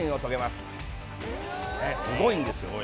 すごいんです。